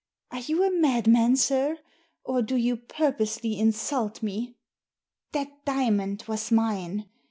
Are you a madman, sir; or do you purposely insult me?" "That diamond was mine.